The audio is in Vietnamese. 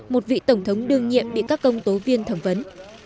một vị tổng thống đương nhiệm bị các công tố viên thẩm vấn